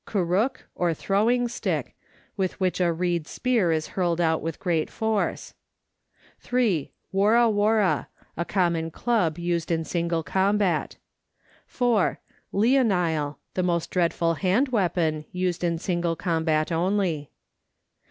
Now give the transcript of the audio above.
Kurruk or throwing stick, with which a reed spear is hurled out with great force. (3.) WorraWorra, a common club used in single combat. (4.) Leonile, the most dreadful hand weapon, used in single combat only.